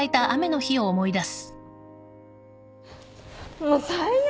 もう最悪。